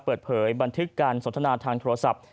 เปิดเผยบันทึกการสนทนาทางโทรศัพท์